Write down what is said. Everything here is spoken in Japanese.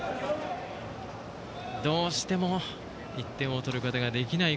どうしても１点を取ることができない